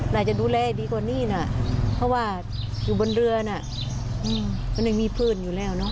น่าจะดูแลดีกว่านี่ทำอย่างง่าย